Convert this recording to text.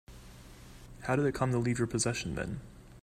How did it come to leave your possession then?